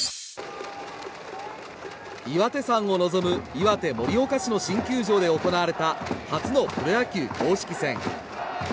岩手山を望む岩手・盛岡市の新球場で行われた初のプロ野球公式戦。